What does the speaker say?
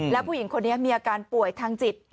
แล้วผู้หญิงคนนี้มีอาการป่วยทางจิต